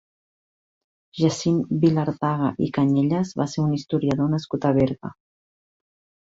Jacint Vilardaga i Cañellas va ser un historiador nascut a Berga.